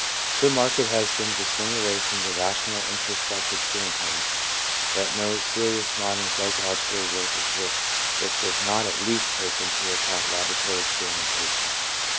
So marked has been the swing away from the rational, introspective stand point, that no serious modern psychological work exists which does not at least* take into account laboratory experimentation.